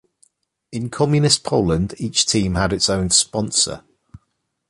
In communist Poland each team had its own "sponsor".